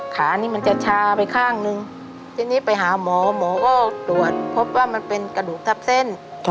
ขานี่มันจะชาไปข้างนึงทีนี้ไปหาหมอหมอก็ตรวจพบว่ามันเป็นกระดูกทับเส้น